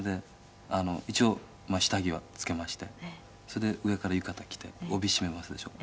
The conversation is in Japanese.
一応、下着は着けましてそれで上から浴衣着て帯締めますでしょ。